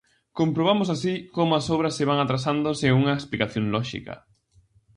Comprobamos así como as obras se van atrasando sen unha explicación lóxica.